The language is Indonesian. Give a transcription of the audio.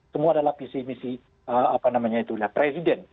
semua adalah visi misi presiden